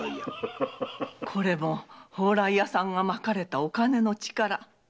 これも宝来屋さんが撒かれたお金の力。